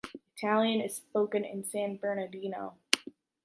Italian is spoken in San Bernardino.